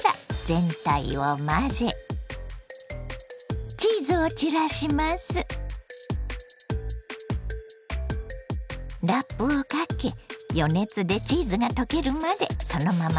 ラップをかけ余熱でチーズが溶けるまでそのまま置いてね。